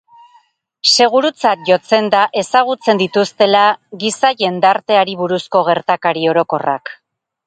Segurutzat jotzen da ezagutzen dituztela giza jendarteari buruzko gertakari orokorrak.